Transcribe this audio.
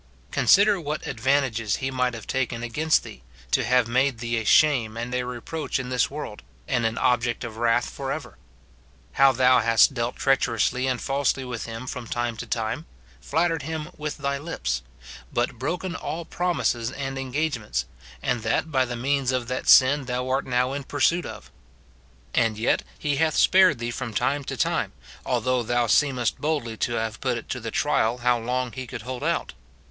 Consider what advan tages he might have taken against thee, to have made thee a shame and a reproach in this world, and an object of wrath for ever ; how thou hast dealt treacherously and falsely with him from time to time, flattered him with thy lips, but broken all promises and engagements, and that by the means of that sin thou art now in pursuit of; and yet he hath spared thee from time to time, although thou seemest boldly to have put it to the trial how long he could hold out.